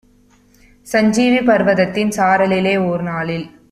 சஞ்சீவி பர்வதத்தின் சாரலிலே ஓர்நாளில்